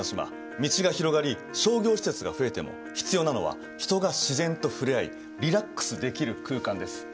道が広がり商業施設が増えても必要なのは人が自然と触れ合いリラックスできる空間です。